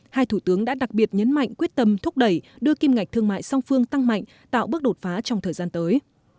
hai thủ tướng đã đặc biệt nhấn mạnh quyết tâm thúc đẩy đưa kim ngạch thương mại song phương tăng mạnh tạo bước đột phá trong thời gian tới